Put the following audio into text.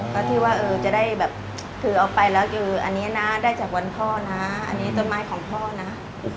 ก็ที่ว่าเออจะได้แบบคือเอาไปแล้วคืออันนี้นะได้จากวันพ่อนะ